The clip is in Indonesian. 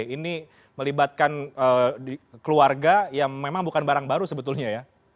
ini melibatkan keluarga yang memang bukan barang baru sebetulnya ya